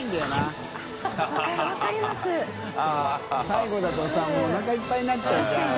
最後だとさ發おなかいっぱいになっちゃうじゃん。